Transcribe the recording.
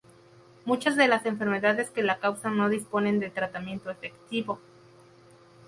Muchas de las enfermedades que la causan no disponen de tratamiento efectivo.